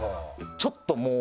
ちょっともう。